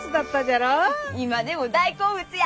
今でも大好物や！